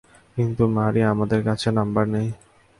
কিন্তু মারি, আমাদের কাছে নাম্বার নেই।